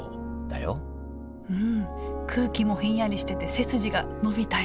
うん空気もひんやりしてて背筋が伸びたよね